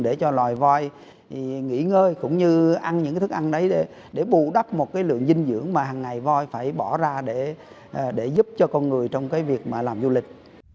để cho loài voi nghỉ ngơi cũng như ăn những thức ăn đấy để bù đắp một lượng dinh dưỡng mà hằng ngày voi phải bỏ ra để giúp cho con người trong việc làm du lịch